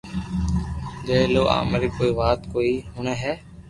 جي او امري ڪوئي وات ڪوئي ھوڻي ھي